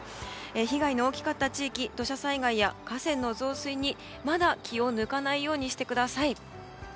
被害の大きかった地域土砂災害や河川の増水にまだ気を抜かないようにしてください。